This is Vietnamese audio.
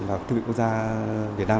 và thư viện quốc gia việt nam